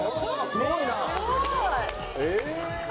すごい！え！